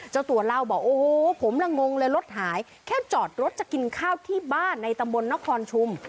เจ้าตัวเล่าบอกโอ้โหผมละงงเลยรถหายแค่จอดรถจะกินข้าวที่บ้านในตำบลนครชุม